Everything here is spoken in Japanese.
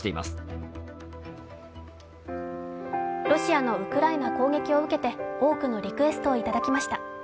ロシアのウクライナ攻撃を受けて、多くのリクエストをいただきました。